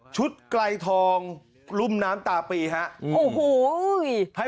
ชุดไกลทองลุ้มน้ำตาปี่